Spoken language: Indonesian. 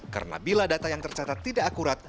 karena bila data yang tercatat tidak akurat